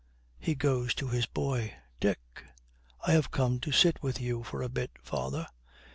He goes to his boy. 'Dick!' 'I have come to sit with you for a bit, father.'